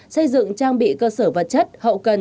xây dựng trang bị cơ sở vật chất hậu cần